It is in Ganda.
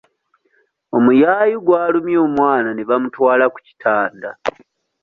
Omuyaayu gwalumye omwana ne bamutwala ku kitanda.